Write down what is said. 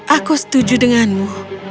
aku setuju denganmu